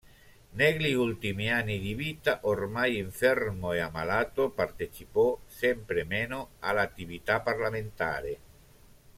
Negli ultimi anni di vita, ormai infermo e ammalato, partecipò sempre meno all'attività parlamentare.